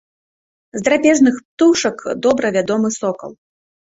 З драпежных птушак добра вядомы сокал.